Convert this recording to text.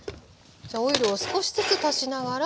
じゃオイルを少しずつ足しながら。